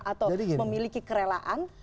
atau memiliki kerelaan